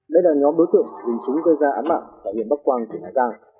đây là nhóm đối tượng dùng súng gây ra án mạng tại huyện bắc quang tỉnh hà giang